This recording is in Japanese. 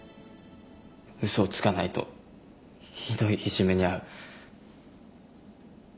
嘘をつかないとひどいいじめに遭う。